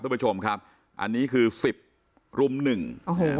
ทุกผู้ชมครับอันนี้คือสิบรุมหนึ่งโอ้โห